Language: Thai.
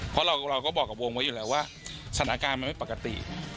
เพราะเราก็บอกกับวงไว้อยู่แล้วว่าสถานการณ์มันไม่ปกติ